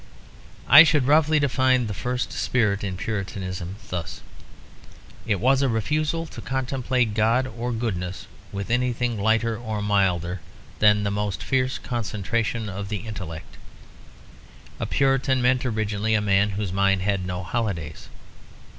I should roughly define the first spirit in Puritanism thus. It was a refusal to contemplate God or goodness with anything lighter or milder than the most fierce concentration of the intellect. A Puritan meant originally a man whose mind had no holidays.